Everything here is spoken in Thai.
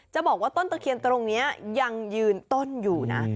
บอกว่าต้นตะเคียนตรงนี้ยังยืนต้นอยู่นะ